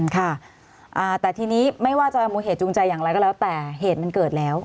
ค่ะแต่ทีนี้ไม่ว่าจะเป็นมูลเหตุจูงใจอย่างไรก็แล้วแต่เหตุมันเกิดแล้ว